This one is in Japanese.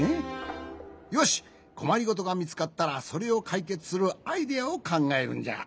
よしこまりごとがみつかったらそれをかいけつするアイデアをかんがえるんじゃ。